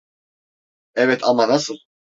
Evet ama nasıl?